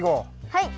はい。